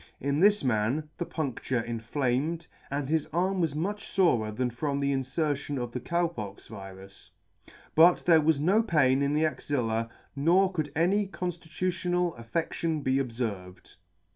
In this man the pundure inflamed, [ "65 ] inflamed, and his arm was much forer than from the infertion of the Cow pox virus ; but there was no pain in the axilla, nor could any conflitutional affedtion be obferved.